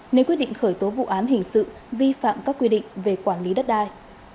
nếu quyết định khởi tố vụ án hình sự vi phạm các quy định về quản lý đất đai